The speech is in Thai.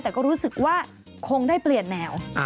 แต่ก็รู้สึกว่าคงได้เปลี่ยนแนว